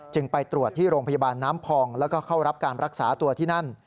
ไปตรวจที่โรงพยาบาลน้ำพองแล้วก็เข้ารับการรักษาตัวที่นั่น